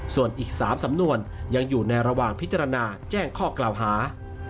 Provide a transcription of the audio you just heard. ส่วนอีก๓สำนวนยังอยู่ในระหว่างพิจารณาแจ้งข้อกล่าวหา